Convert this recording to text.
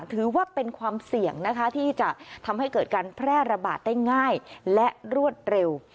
ถือว่าเป็นความเสี่ยงนะคะที่จะทำให้เกิดการแพร่ระบาดได้ง่ายและรวดเร็ว